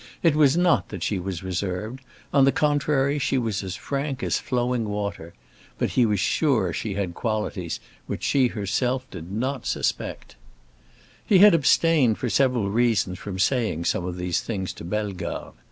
It was not that she was reserved; on the contrary, she was as frank as flowing water. But he was sure she had qualities which she herself did not suspect. He had abstained for several reasons from saying some of these things to Bellegarde.